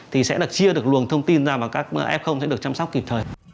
thì sẽ được chia được luồng thông tin ra và các f sẽ được chăm sóc kịp thời